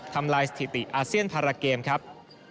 ทำลายสถิติอาเซียนพาราเกมครับ